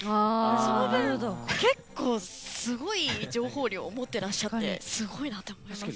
その分、結構すごい情報量をもってらっしゃってすごいなと思います。